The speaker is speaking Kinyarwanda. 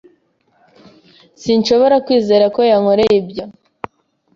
Sinshobora kwizera ko yankoreye ibyo